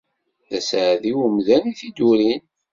D aseɛdi umdan i t-iddurin.